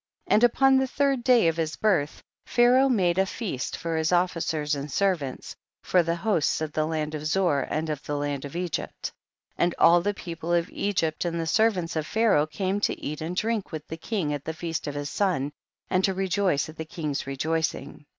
16. And upon the third day of his birth Pharaoh made a feast for his officers and servants, for the hosts of 146 THE BOOK OF JASHER the land of Zoar and of the land of Egypt. 17. And all the people of Egypt and the servants of Pharaoh came to eat and drink with the king at the feast of his son, and to rejoice at the king's rejoicing.